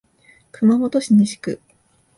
熊本市西区